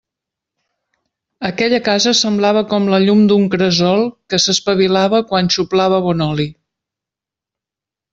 Aquella casa semblava com la llum d'un cresol que s'espavilava quan xuplava bon oli.